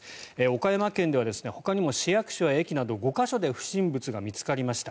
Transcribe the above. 岡山県ではほかにも市役所や駅など５か所で不審物が見つかりました。